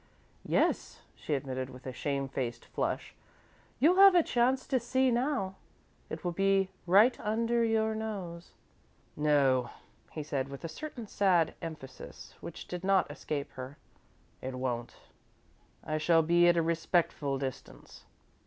"Yes," she admitted, with a shamefaced flush. "You'll have a chance to see, now. It will be right under your nose." "No," he said, with a certain sad emphasis which did not escape her; "it won't. I shall be at a respectful distance."